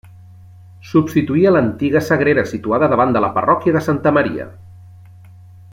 Substituïa l'antiga sagrera situada davant de la parròquia de Santa Maria.